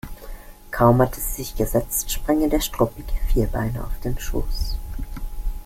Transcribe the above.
Kaum hatte sie sich gesetzt, sprang ihr der struppige Vierbeiner auf den Schoß.